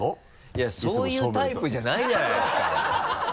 いやそういうタイプじゃないじゃないですか。